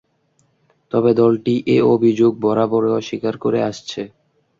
তবে দলটি এ অভিযোগ বরাবরই অস্বীকার করে আসছে।